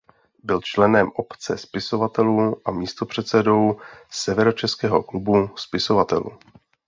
Byl členem Obce spisovatelů a místopředsedou Severočeského klubu spisovatelů.